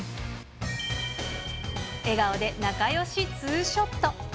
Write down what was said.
笑顔で仲よし２ショット。